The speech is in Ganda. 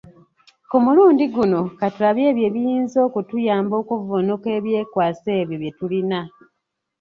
Ku mulundi guno, katulabe ebyo ebiyinza okutuyamba okuvvuunuka ebyekwaso ebyo bye tulina.